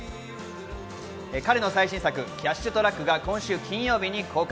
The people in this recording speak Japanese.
彼の最新作『キャッシュトラック』が今週金曜日に公開。